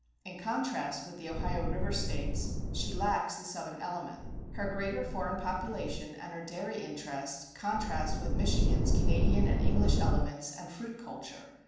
In contrast with the Ohio River States, she lacks the Southern element. Her greater foreign population and her dairy interests contrast with Michigan's Canadian and English elements and fruit culture.